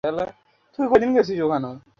মুখে কথা নেই বটে কিন্তু কথার প্রয়োজন ছিল না।